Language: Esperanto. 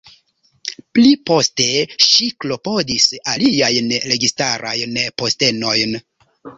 Pliposte, ŝi klopodis aliajn registarajn postenojn.